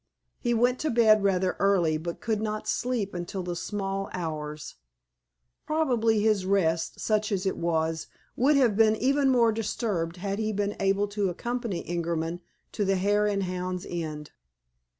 He went to bed rather early, but could not sleep until the small hours. Probably his rest, such as it was, would have been even more disturbed had he been able to accompany Ingerman to the Hare and Hounds Inn.